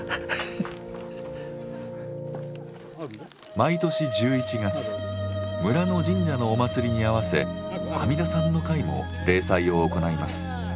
毎年１１月村の神社のお祭りに合わせ阿弥陀さんの会も例祭を行います。